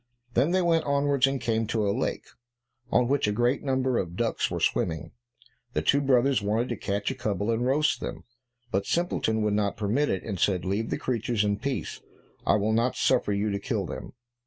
Then they went onwards and came to a lake, on which a great number of ducks were swimming. The two brothers wanted to catch a couple and roast them, but Simpleton would not permit it, and said, "Leave the creatures in peace, I will not suffer you to kill them."